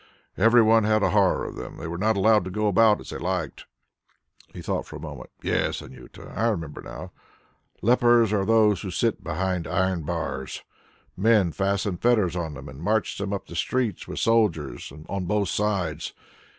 Every one had a horror of them. They were not allowed to go about as they liked." He thought for a moment. "Yes, Anjuta, I remember now. Lepers are those who sit behind iron bars. Men fasten fetters on them and march them up the streets with soldiers on both sides.